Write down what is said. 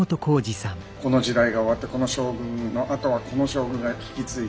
この時代が終わってこの将軍のあとはこの将軍が引き継いで。